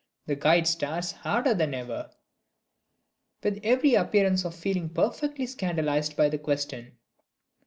The guide stares harder than ever, with every appearance of feeling perfectly scandalized by the question.